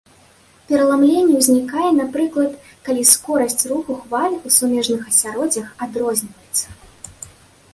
Пераламленне ўзнікае, напрыклад, калі скорасць руху хваль у сумежных асяроддзях адрозніваецца.